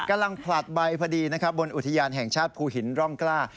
กำลังผลัดใบพอดีบนอุทยานแห่งชาติภูหินร่องกล้า